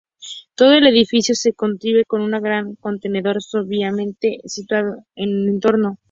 Todo el edificio se concibe como un gran contenedor sabiamente situado en su entorno.